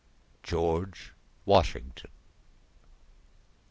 GEO. WASHINGTON.